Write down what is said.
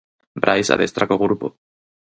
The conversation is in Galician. Brais adestra co grupo.